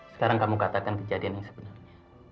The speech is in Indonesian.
sekarang kamu katakan kejadian yang sebenarnya